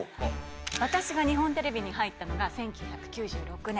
私が日本テレビに入ったのが１９９６年。